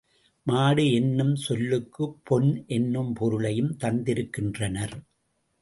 மாடு என்னும் சொல்லுக்குப் பொன் என்னும் பொருளையும் தந்திருக்கின்றனர்.